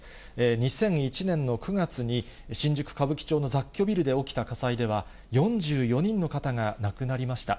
２００１年の９月に、新宿・歌舞伎町の雑居ビルで起きた火災では、４４人の方が亡くなりました。